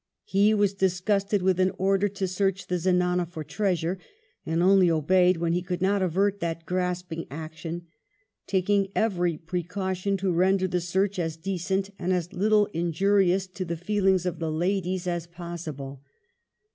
He was dis gusted with an order to search the zenana for treasure, and only obeyed when he could not avert that grasping action, taking " every precaution to render the search as decent and as little injurious to the feelings of the ladies 46 WELLINGTON chap. as possible."